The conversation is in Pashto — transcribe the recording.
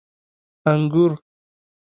🍇 انګور